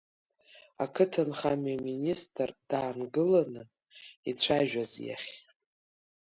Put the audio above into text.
Ақыҭанхамҩа аминистр даангыланы, ицәажәаз иахь.